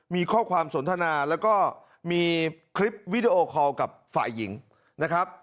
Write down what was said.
มีข้อความสนทนาแล้วก็มีคลิปวิดีโอคอลกับฝ่ายหญิงนะครับ